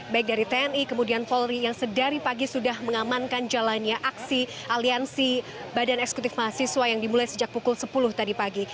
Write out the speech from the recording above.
baik dari tni kemudian polri yang sedari pagi sudah mengamankan jalannya aksi aliansi badan eksekutif mahasiswa yang dimulai sejak pukul sepuluh tadi pagi